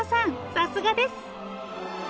さすがです！